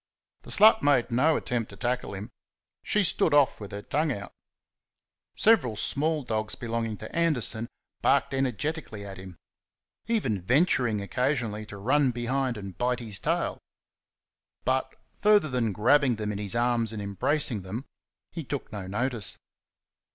The slut made no attempt to tackle him; she stood off with her tongue out. Several small dogs belonging to Anderson barked energetically at him, even venturing occasionally to run behind and bite his tail. But, further than grabbing them in his arms and embracing them, he took no notice.